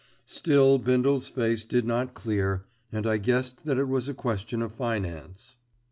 Still Bindle's face did not clear, and I guessed that it was a question of finance.